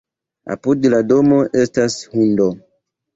Apud la domo estas hundo.